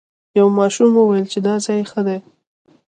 یو ماشوم وویل چې دا ځای ښه دی.